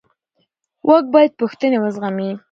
واک باید پوښتنې وزغمي